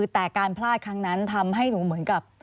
แต่การพลาดครั้งนั้นทำให้หนูเหมือนกับ